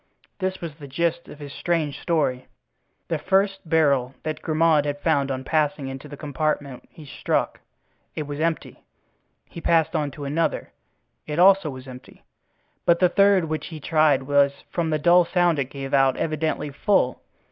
This was the gist of his strange story: The first barrel that Grimaud had found on passing into the compartment he struck—it was empty. He passed on to another—it, also, was empty, but the third which he tried was, from the dull sound it gave out, evidently full.